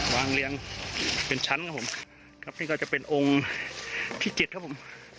วางเรียงเป็นชั้นครับผมนี้ก็จะเป็นอุงที่๗ครับผม